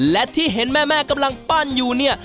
และที่เห็นแม่กำลังปั้นอยู่เนี่ย